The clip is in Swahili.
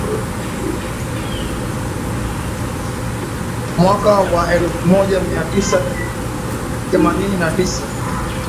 Mwaka wa elfu moja mia tisa themanini na tisa